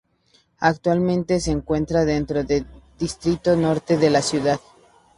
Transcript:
Actualmente se encuentra dentro del Distrito Norte de la ciudad.